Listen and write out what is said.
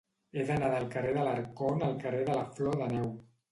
He d'anar del carrer d'Alarcón al carrer de la Flor de Neu.